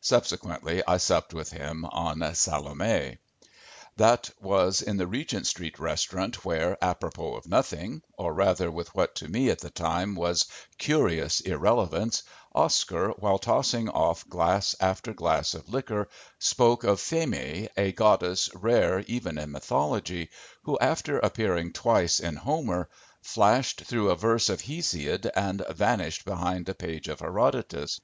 Subsequently I supped with him on "Salome." That was in the Regent street restaurant where, apropos of nothing, or rather with what to me at the time was curious irrelevance, Oscar, while tossing off glass after glass of liquor, spoke of Phémé, a goddess rare even in mythology, who, after appearing twice in Homer, flashed through a verse of Hesiod and vanished behind a page of Herodotos.